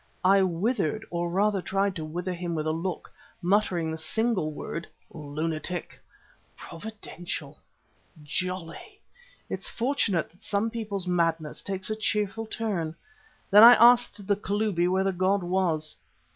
I withered, or rather tried to wither him with a look, muttering the single word: "Lunatic." Providential! Jolly! Well, it's fortunate that some people's madness takes a cheerful turn. Then I asked the Kalubi where the god was.